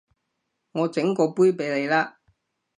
我整過杯畀你啦